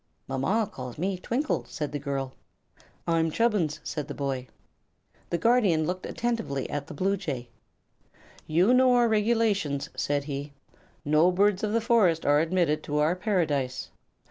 "Mama calls me Twinkle," said the girl. "I'm Chubbins," said the boy. The Guardian looked attentively at the bluejay. "You know our regulations," said he; "no birds of the forest are admitted to our Paradise."